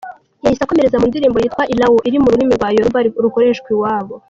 Yahise akomereza ku ndirimbo yitwa ’Irawo’ iri mu rurimi rwa Yoluba rukoreshwa iwabo.